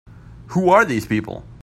Who are these people?